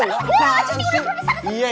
wah ini udah berpisah